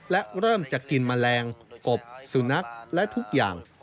และเริ่มจะกินแมลงกบสุนัขและทุกอย่าง